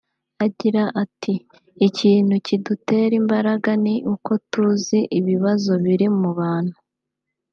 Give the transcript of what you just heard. Agira ati "Ikintu kidutera imbaraga ni uko tuzi ibibazo biri mu bantu